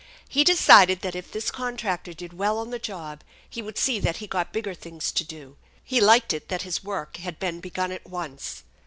He decided that if this contractor did well on the job he would see that he got bigger things to do. He liked it that his work had beeD begun at once.